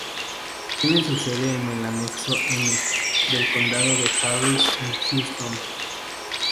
Tiene su sede en el Anexo M del Condado de Harris en Houston.